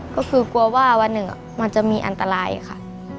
ก็คือกลัวว่าวันหนึ่งมันจะมีอันตรายค่ะ